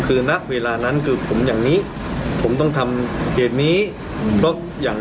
คือณเวลานั้นคือผมอย่างนี้ผมต้องทำเหตุนี้เพราะอย่าง